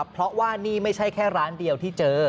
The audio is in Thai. เพราะว่านี่ไม่ใช่แค่ร้านเดียวที่เจอ